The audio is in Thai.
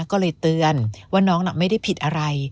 ก็เลยเตือนว่าน้องน่ะไม่ได้ผิดอะไร